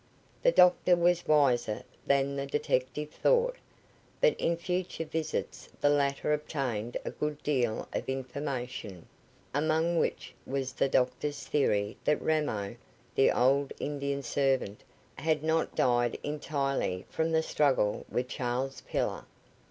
The doctor was wiser than the detective thought; but in future visits the latter obtained a good deal of information, among which was the doctor's theory that Ramo, the old Indian servant, had not died entirely from the struggle with Charles Pillar.